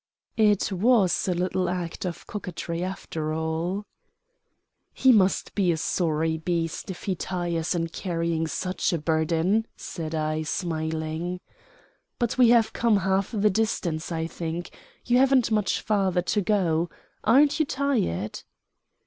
It was a little act of coquetry after all. "He must be a sorry beast if he tires in carrying such a burden," said I, smiling. "But we have come half the distance, I think. You haven't much farther to go. Aren't you tired?"